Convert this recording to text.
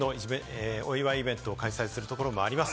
お祝いイベントを開催するところもあります。